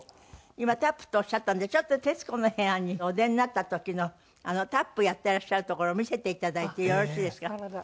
今タップとおっしゃったんでちょっと『徹子の部屋』にお出になった時のあのタップやってらっしゃるところ見せていただいてよろしいですか？